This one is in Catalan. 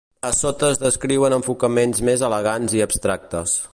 A sota es descriuen enfocaments més elegants i abstractes.